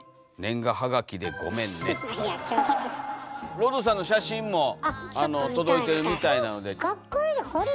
ロドさんの写真も届いてるみたいなので。